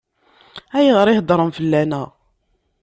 Ayɣer i heddṛen fell-aneɣ?